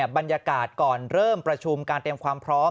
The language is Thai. บรรยากาศก่อนเริ่มประชุมการเตรียมความพร้อม